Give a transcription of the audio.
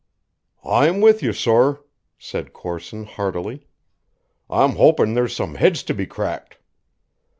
"I'm with you, sor," said Corson heartily. "I'm hopin' there's some heads to be cracked."